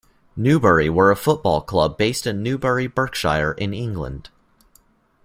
Newbury were a football club based in Newbury, Berkshire, in England.